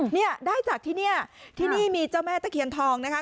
เนี่ยได้จากที่เนี่ยที่นี่มีเจ้าแม่ตะเคียนทองนะคะ